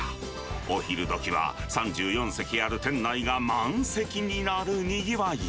お昼どきは３４席ある店内が満席になるにぎわい。